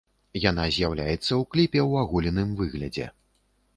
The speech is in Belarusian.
Яна з'яўляецца ў кліпе ў аголеным выглядзе.